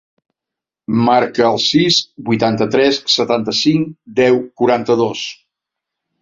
Marca el sis, vuitanta-tres, setanta-cinc, deu, quaranta-dos.